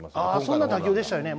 そんな打球でしたよね。